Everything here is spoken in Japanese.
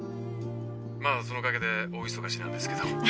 まあそのおかげで大忙しなんですけど。